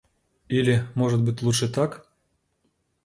Или, может быть, лучше так?